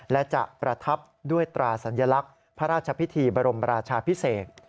และจะประทับด้วยตราสัญลักษณ์พระราชพิธีบรมราชาพิเศษ